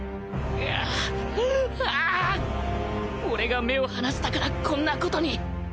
俺が目を離したからこんなことに